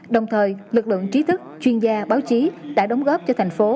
đồng thời lực lượng trí thức chuyên gia báo chí đã đóng góp cho thành phố